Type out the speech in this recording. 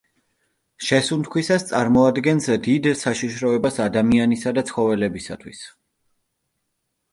შესუნთქვისას წარმოადგენს დიდ საშიშროებას ადამიანისა და ცხოველებისათვის.